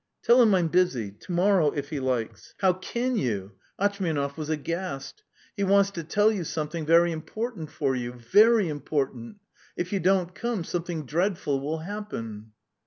"Tell him I'm busy; to morrow, if he likes. ..." "How can you!" Atchmianov was aghast. "He wants to tell you something very important for you ... very important! If you don't come, something dreadful will happen."